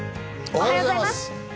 おはようございます。